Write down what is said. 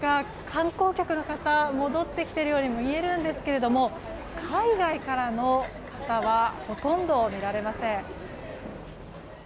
観光客の方戻ってきているようにも見えるんですけれども海外からの方はほとんど見られません。